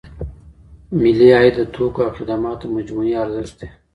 ملي عاید د توکو او خدماتو مجموعي ارزښت دی.